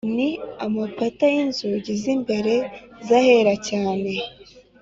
n’amapata y’inzugi z’imbere z’Ahera cyane